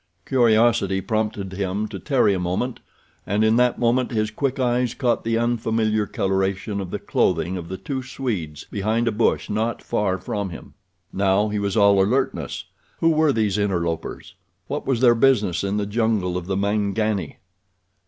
Curiosity prompted him to tarry a moment, and in that moment his quick eyes caught the unfamiliar coloration of the clothing of the two Swedes behind a bush not far from him. Now he was all alertness. Who were these interlopers? What was their business in the jungle of the Mangani?